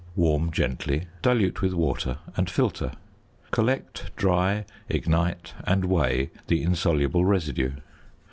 Warm gently, dilute with water, and filter. Collect, dry, ignite, and weigh the insoluble residue.